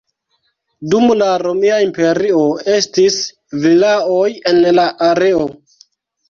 Dum la Romia Imperio estis vilaoj en la areo.